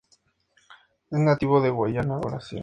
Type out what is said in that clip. Es nativo de Guayana a Brasil.